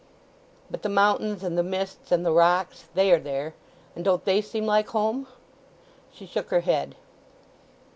"But the mountains, and the mists and the rocks, they are there! And don't they seem like home?" She shook her head.